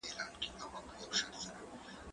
زه مېوې راټولې کړي دي؟!